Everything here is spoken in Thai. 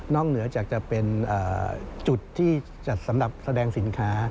เหนือจากจะเป็นจุดที่จัดสำหรับแสดงสินค้า